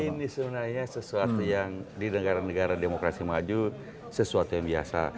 ini sebenarnya sesuatu yang di negara negara demokrasi maju sesuatu yang biasa